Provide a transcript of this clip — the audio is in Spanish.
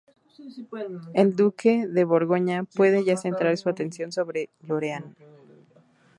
El duque de Borgoña puede ya centrar su atención sobre Lorena.